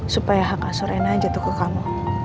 supaya hak asur reina jatuh ke kamu